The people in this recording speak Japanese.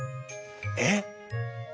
「えっ？